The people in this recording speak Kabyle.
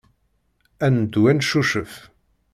Ad neddu ad neccucef.